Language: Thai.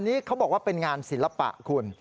นี่เขาบอกว่าเป็นงานศิลปะคุณ